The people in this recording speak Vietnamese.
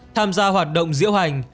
tham gia hoạt động diễu hành